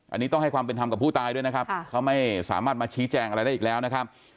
อันนี้ต้องให้ความเป็นธรรมกับผู้ตายด้วยนะครับเขาไม่สามารถมาชี้แจงอะไรได้อีกแล้วนะครับ